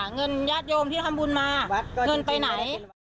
เงินญาติโยมที่ทำบุญมาเงินไปไหน